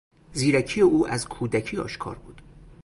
زیرکی او از کودکی آشکار بود.